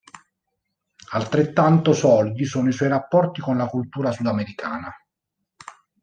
Altrettanto solidi sono i suoi rapporti con la cultura sudamericana.